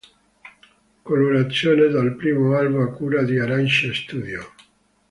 Colorazione del primo albo a cura di Arancia Studio.